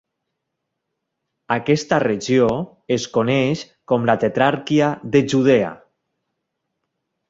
Aquesta regió es coneix com la Tetrarquia de Judea.